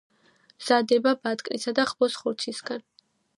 მზადდება ბატკნის და ხბოს ხორცისგან.